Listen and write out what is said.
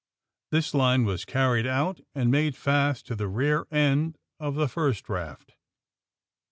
This line was car ried out and made fast to the rear end of the first raft.